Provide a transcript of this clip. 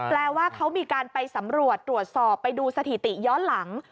แปลว่าเขามีการไปสำรวจตรวจสอบไปดูสถิติย้อนหลัง